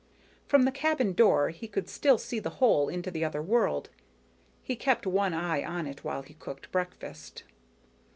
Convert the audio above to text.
From the cabin door, he could still see the hole into the other world. He kept one eye on it while he cooked breakfast.